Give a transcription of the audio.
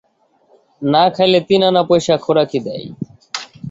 না খাইলে তিন আনা পয়সা খোরাকি দেয়।